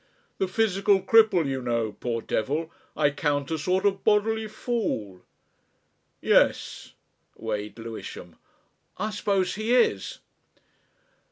The physical cripple, you know, poor devil, I count a sort of bodily fool." "Yes," weighed Lewisham, "I suppose he is."